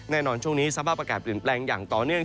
ช่วงนี้สภาพอากาศเปลี่ยนแปลงอย่างต่อเนื่อง